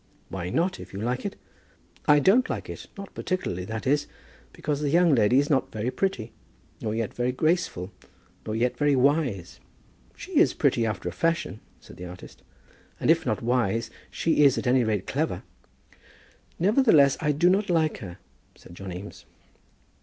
"Why not, if you like it?" "I don't like it, not particularly, that is; because the young lady is not very pretty, nor yet very graceful, nor yet very wise." "She is pretty after a fashion," said the artist, "and if not wise, she is at any rate clever." "Nevertheless, I do not like her," said John Eames.